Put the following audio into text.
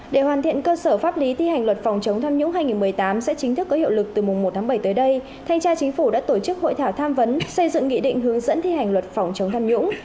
để hoàn thiện cơ sở pháp lý thi hành luật phòng chống tham nhũng hai nghìn một mươi tám sẽ chính thức có hiệu lực từ mùng một tháng bảy tới đây thanh tra chính phủ đã tổ chức hội thảo tham vấn xây dựng nghị định hướng dẫn thi hành luật phòng chống tham nhũng